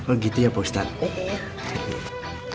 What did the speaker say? oh gitu ya pak ustadz